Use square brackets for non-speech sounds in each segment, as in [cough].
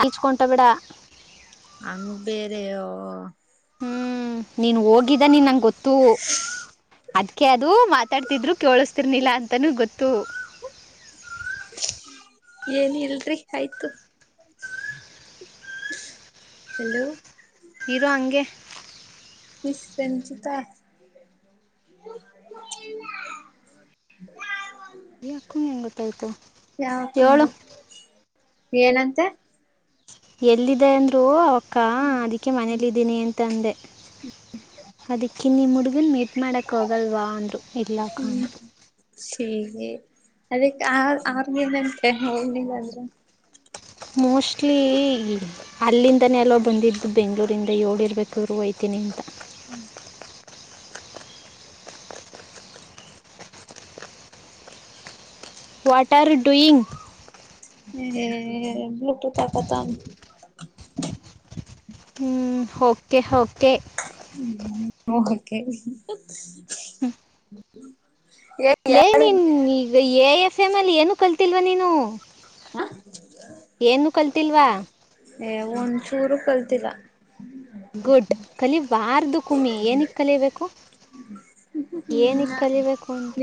ಹಚಕೊಂಡ ಬಿಡ ಬೇರೆ ಹ್ಮ್ ನೀನ್ ಹೋಗಿದ್ದ ನೀನ್ಂತ ಗೊತ್ತು ಅದು ಕೆ ಅದು ಮಾತಾಡ್ತಿದ್ರು ಕೆಳುಸ್ ತಿರ್ಲಿಲ್ಲ ಅಂತನೂ ಗೊತ್ತು ಏನ ಇಲ್ರಿ ಆಯ್ತು ಹಲೋ ಇರೋ ಹಂಗೆ ಮಿಸ್ ರಂಜಿತಾ [unintelligible] ಈಕ ಮಏನು ಗಟಾಯತ ಚಳ ಯಾವಕಂಡೆ ಏನಂತೆ ಎಲ್ಲಿದೆ ಅಂದ್ರು ಕಾ ಅದಕ್ಕೆ ಮನೇಲ್ಲ ಇದಿದ್ದೀನಿ ಅಂತ ತಂದೆ ಅದಕ್ಕಿನ್ನಿ ಮುಡುಗನ್ ಮೀ ಮಾಡಕ್ಕೆ ಹೋಗಲ್ವಾ ಅಂದರು ಇರ್ಲಕ್ಕಂದು ಸಿದೆ ಅದಕ್ಕೆ ಆ ಆರ್ನಿಂದನ್ ಹೋಗಿಲ್ಲಂದ್ರೆ ಮೋಸ್ಟ್ಲಿ ಅಲ್ಲಿಂದನೇ ಅಲ್ಲೋ ಬಂದಿದ್ದು ಬೆಂಗ್ಳೂರಿಂದ ಏಳಿರ್ಬೇಕು ರುಯ್ತೀನಿ ಅಂತ [inaudible] ವಾಟ್ ಆರ್ ಯು ಡುಯಿಂಗ್ ಹ ಎ ಎ ಬ್ಲೂಟೂತ್ ಹಾಕೊತಾನ್ ಹ್ಮ್ ಓಕೆ ಹಕ ಹ್ಮ ಹೋಗ ಕೆ ಹಿಹಕ್ ಹ್ಮ ಹು ಲೇ ನೀನ್ ಈಗ ಎ ಎಫ್ ಎಮ್ ಅಲ್ಲಿ ಏನು ಕಲ್ತಿಲ್ವಾ ನೀನು ಹಾ ಏನು ಕಲ್ತಿಲ್ವಾ ಏ ಒಂಚೂರು ಕಲ್ತಿಲ್ಲ ಗುಡ್ ಕಲಿ ವಾರ್ದು ಕುಮ್ಮಿ ಏನಿಕೆ ಕಲಿಯಬೇಕು ಏನಿಕೆ ಕಲಿಬೇಕು ಅಂತ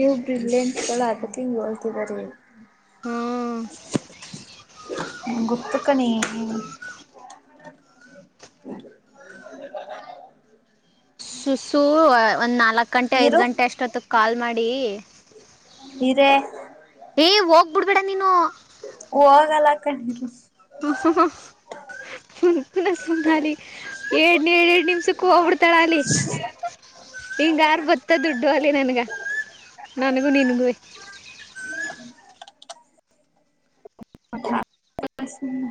ಎಲ್ಲ ಅತ್ತಟಿಂಗ್ ಹೇಳತಿದಾರೆ ಹಾ ಹೈ ನಂಗ ಗೊತ್ತು ಕಣೆ ಶುಶು ಒಂದ್ ನಾಲ್ಕು ಗಂಟೆ ಐದು ಇರು ಗಂಟೆ ಅಷ್ಟೊತ್ತು ಕಾಲ್ ಮಾಡಿ ಡಿ ಇದೆ ಬಿಡ್ಬೇಡ ನೀನು ಹೋಗಲ್ಲ ಕಣೀರು ಹು ಹು ಸುಮ್ಮಾಲಿ ಏಡ್ನ ಎರಡ್ ಎರಡ್ ನಿಮ್ಷಕ್ಕೊ ಹೋಗ್ಬಿಡ್ತಾಳ ಅಲ್ಲಿ ಹಿಂಗ ಅರ ಬರುತದುಡ್ಡು ಅಲ್ಲಿ ನನ್ಗ ನನಗೂ ನೀನುಗುವೇ ಪಟ ಪಾಪಸಿನ್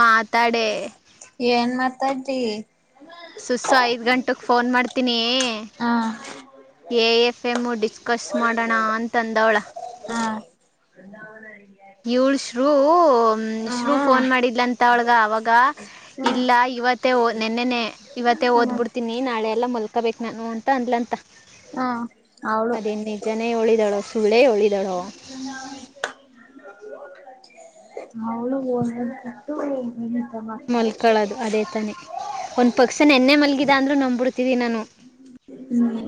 ಮಾತ್ ಏನ್ ಮತ್ ತಡ್ಲಿ ಸುಸ ಐದ್ ಗಂಟಕ್ ಫೋನ್ ಮಾಡ್ತೀನಿ ಹಾ ಎ ಎಫ್ ಎಮ ಡಿಸ್ಕಸ್ ಮಾಡೋನ ಅಂತ ಅಂದವಳೇ ಗದ್ದ ನರಿ ಇವ್ಳ ರು ಉ ಶರು ಫೋನ್ ಮಾಡಿದ್ಂತ ಅವಳಗ ಅವಾಗ ಹ್ಮ ಇಲ್ಲ ಇವತ್ತು ತ್ತವು ನೆನ್ನೆನ್ನೆ ಇವತ್ತೇ ಓದ ಹ್ಮ ಬುಡ್ತೀನೀ ನಾಳೆ ಎಲ್ಲಾ ಮಲ್ಕಬೇಕು ನಾನು ಅಂತ ಅಂದಲಂತಾ ಹಾ ಅವಳು ಅದೇನ್ ನಿಜಾನೆ ಯೋಳಿದಾಳೋ ಸುಳ್ಳೇ ಯೋಳಿದಾಳೋ ಅವಳು ಓದದ ಬಿಟ್ಟು ಮಲ್ಕೊಳದು ಅದೇ ತಾನೆ ಒಂದ್ ಪಕ್ಸ ನಿನ್ನೆ ಮಲ್ಗಿದಾ ಅಂದ್ರು ನಂಬೂಡ್ ಪ್ರತಿ ದಿನಾನೂ ಹ್ಮ್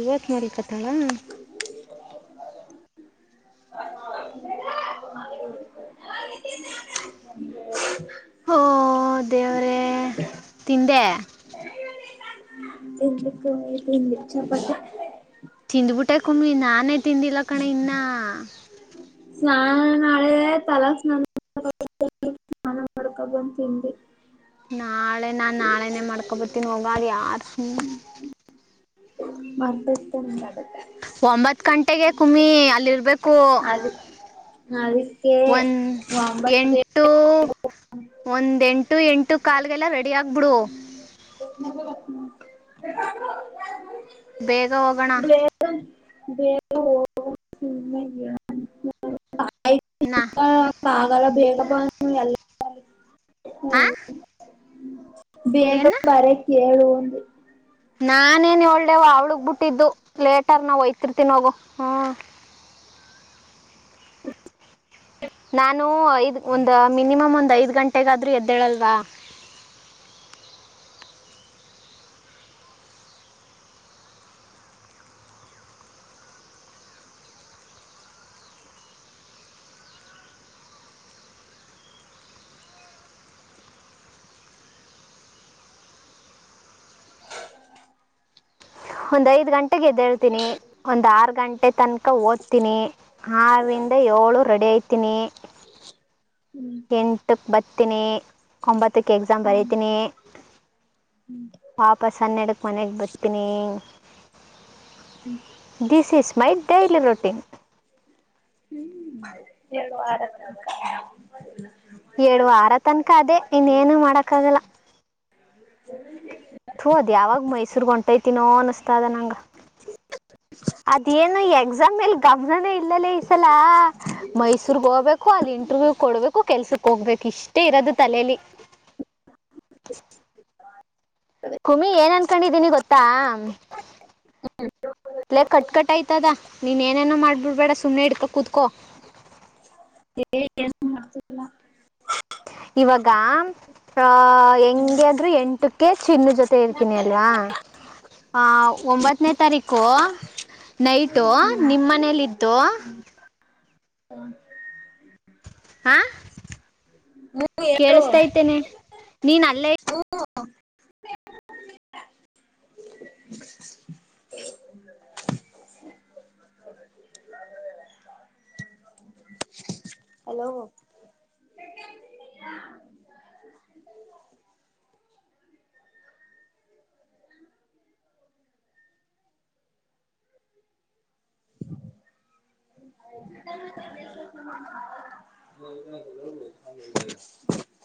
ಇವತ್ತ ಮಾಲ್ಕತಾಳಾ ಹೊ ದೇವರೆ ತಿಂದೆ ಬುಕ್ಕು ಇತ್ತು [unintelligible] ಇಚ್ಛಾ ಪಟ್ಟೆ ತಿಂಡ್ಬುಟ್ಟೆ ಕುಮ್ಮಿ ನಾನೇ ತಿಂದಿಲ್ಲಾ ಕಣೆ ಇನ್ನಾ ಸ್ನಾನ ನಾಳೆನೆ ತಲೆ ಸ್ನಾನಾ ಹಾಕೋಬಂದ್ ಬಂದ್ ತಿಂದೆ ನಾಳೆ ನಾನ್ ನಾಳೆನೆ ಮಾಡ್ಕೊಬರ್ತೀನಿ ಹೋಗಾ ಅಲ್ಲಿ ಯಾರ್ ಹ್ಮ್ ಮರ್ತೊಯಿತ್ ಅಂದ್ರಾ ಒಂಬತ್ ಗಂಟೆಗೆ ಕುಮ್ಮಿ ಅಲ್ಲಿರ್ಬೇಕು ಅದಕ್ ಅದಕ್ಕೆ ಒಂದ ಒಂಬತ್ತು ಎಂಟು ಒಂದ್ ಎಂಟು ಎಂಟು ಕಾಲ್ಗೆಲ್ಲ ರೆಡಿ ಆಗ್ಬಡು ಗೆಟಪ್ ಯೆಸ್ ಮ್ಯಾಮ್ ಬೇಗ ಹೋಗೋಣ ಬೇಗಾ ಹೋಗೋಣ ಸುಮ್ನೆ ಎನಕ್ ನಾ ನಾಳೆ ಬೇಗ ಬಾ ಅನ್ನು ಎಲ್ಲಾ ಆಯ್ತ್ ಹಾ ಹ್ಮ್ ಬೇಗಾ ಏನ ಬರಕ್ಕ ಕೇಳು ಅಂದೆ ನಾನೇನ್ ಯೋಳವ್ವ ಅವ್ಳಗ್ ಬುಟ್ಟಿದ್ದು ಲೇಟ್ ಆದ್ರ ನಾ ಹೋಯ್ತಿರ್ತೀನಿ ಹೋಗೋ ಹ ನಾನು ಐದ್ ಒಂದ ಮಿನಿಮಮ್ ಒಂದ ಐದ ಗಂಟೆಗಾದರೂ ಎದ್ದೇಳಲ್ವಾ ಒಂದ್ ಐದು ಗಂಟ್ ಟೀಗ್ ಎದೇಳ್ತೀನಿ ಒಂದ್ ಆರು ಗಂಟೆ ತನಕ ಓದ್ತೀನಿ ಆರಿಂದ ಯೋಳು ರೆಡಿ ಐ ತಿನ್ನಿ ಹ್ಮ್ ಎಂಟುಕ್ ಬತ್ತಿನಿ ಒಂಬತ್ ಹತ್ತಕ್ ಎಕ್ಸಾಮ್ ಹ್ಮ್ ಬರಿತೀನಿ ವಾಪಸ್ ಹನ್ನೆರಡಕ್ ಮನೆಗೆ ಬತ್ತಿನಿ this is my daily routine hmm ಎರಡ್ ವಾರಕ್ ಏಡ್ ವಾರ ತನ್ಕ ಅದೇ ಇನ್ ಏನು ಮಾಡಕ್ಕ ಆಗಲ್ಲ [unintelligible] ತು ಅದ್ ಯಾವಾಗ್ ಮೈಸೂರ್ಗ್ ಹೊಂಟೈತಿನೋ ಅನಸ್ತದ್ ನಂಗ ಅದೇನು ಎಕ್ಸಾಮ ಮೇಲ್ ಗಮನನೇ ಇಲ್ಲಲ್ಲೆ ಈಸಲ ಮೈಸೂರ್ಗ್ ಹೋಗ್ಬೇಕು ಅಲ್ ಇಂಟರ್ವ್ಯೂ ಕೊಡ್ಬೇಕು ಕೆಲ್ಸಕ್ ಹೋಗ್ಬೇಕು ಇಷ್ಟೇ ಇರದು ತಲೆಲಿ [unintelligible] ಕುಮಿ ಏನ್ ಅನ್ಕೊಂಡಿದ್ದೀನಿ ಗೊತ್ತಾ ಲೆಕ್ಕಟ್ ಟ್ಕಟ್ಟಾಯ್ತದ ನೀನ್ ಏನೇನೋ ಮಾಡ್ಬಿಡ್ಬೇಡ ಸುಮ್ಮ್ನೆ ಹಿಡ್ಕೋ ಕುತ್ಕೋ ಎ ಎ ಏನ್ ಮಾಡ್ತಿಲ್ಲ ಇವಾಗ ಆ ಹೆಂಗೆ ಅಂದ್ರೆ ಎಂಟ್ ಹಟ್ಟಕ್ಕೆ ಚಿನ್ನ ಜೊತೆ ಇರ್ತೀನಿ ಅಲ್ವಾ ಆಹ ಒಂಬತ್ತನೇ ತಾರೀಕು ನೈಟು ನಿಮ್ಮ ಮನೇಯಲ್ಲಿದ್ದು ಹಾ ಹ್ಮ್ ಹೇಳು ಕೇಳಸ್ತಾಐತೆನೇ ನೀನ್ ಅಲ್ಲೇ ಹಲೋ [unintelligible]